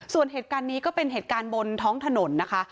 ส่วนเหตุการณ์นี้ก็เป็นเหตุการณ์บนท้องถนนนะคะ